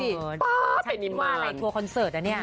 เป็นอิมานชักไม่รู้ว่าอะไรทัวร์คอนเสิร์ตอ่ะเนี่ย